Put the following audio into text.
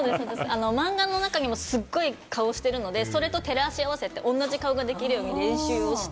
マンガの中にもすごい顔してるので、それと照らし合わせて同じ顔ができるように練習して。